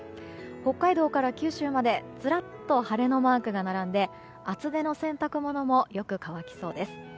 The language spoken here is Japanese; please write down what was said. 北海道から九州までずらっと晴れのマークが並んで厚手の洗濯物もよく乾きそうです。